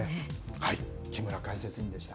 木村解説委員でした。